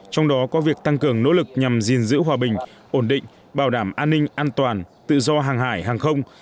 trong đó có việc tăng cường nỗ lực nhằm gìn giữ hòa bình ổn định bảo đảm an ninh an toàn tự do hàng hải hàng không